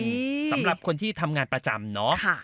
สำหรับคนที่ทำงานประจำเนอะ